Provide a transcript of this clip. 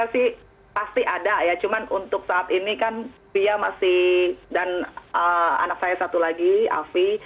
sih pasti ada ya cuma untuk saat ini kan fia masih dan anak saya satu lagi afi